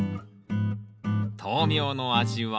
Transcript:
豆苗の味は？